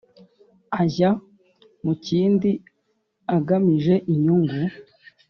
Ajya mu kindi agamije inyungu